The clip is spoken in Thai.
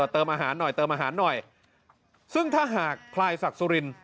เติมอาหารหน่อยซึ่งถ้าหากพลายศักดิ์สุรินทร์